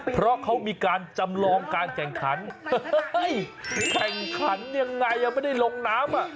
เพราะเค้ามีการจำลองการแข่งขันเฮ้กันอย่างไรยังไม่ได้หลงน้ำ